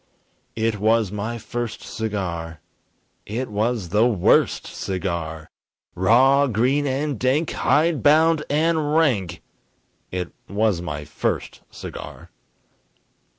It was my first cigar! It was the worst cigar! Raw, green and dank, hide bound and rank It was my first cigar!